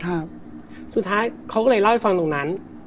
ผมแบบเนี้ยผมก็ไม่พักไหมล่ะครับครับสุดท้ายเขาก็เลยเล่าให้ฟังตรงนั้น